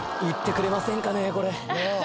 売ってくれませんかねこれ。